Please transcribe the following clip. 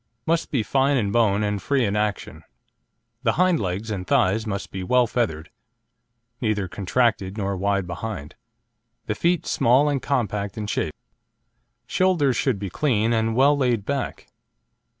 Must be fine in bone and free in action. The hind legs and thighs must be well feathered, neither contracted nor wide behind; the feet small and compact in shape. Shoulders should be clean, and well laid back.